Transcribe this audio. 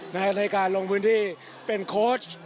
ในการลงพื้นที่เป็นโค้ช